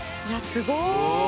「すごい！」